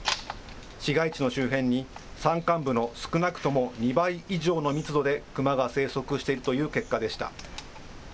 市街地の周辺に山間部の少なくとも２倍以上の密度でクマが生息しているという結果でした。